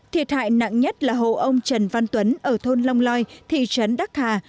thiệt hại nặng nhất là hộ ông trần văn tuấn ở thôn long loi thị trấn đắc hà